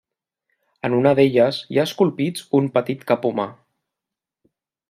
En una d'elles hi ha esculpits un petit cap humà.